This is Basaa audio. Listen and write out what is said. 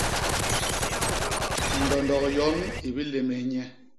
Ndondok yon i bilémés nye.